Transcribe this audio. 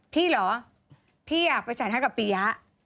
พี่หรอพี่อยากไปใส่น้ำให้กับปียะ